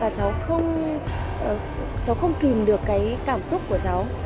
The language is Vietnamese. và cháu không kìm được cái cảm xúc của cháu